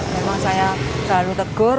memang saya terlalu tegur